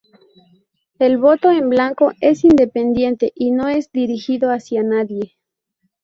El voto en blanco es independiente y no es dirigido hacia nadie.